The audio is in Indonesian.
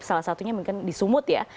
salah satunya mungkin di sumut ya